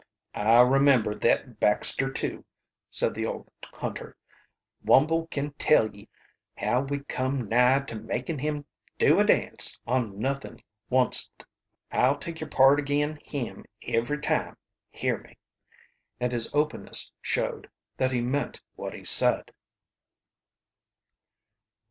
"I remember thet Baxter, too," said the old hunter. "Wumble kin tell ye how we come nigh to makin' him do a dance on nuthin' onct. I'll take your part agin him every time, hear me!" And his openness showed that he meant what he said.